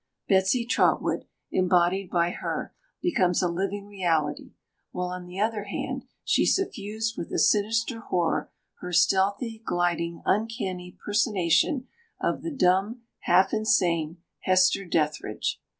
Betsy Trotwood, embodied by her, becomes a living reality; while on the other hand she suffused with a sinister horror her stealthy, gliding, uncanny personation of the dumb, half insane Hester Dethridge.